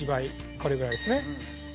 これぐらいですね。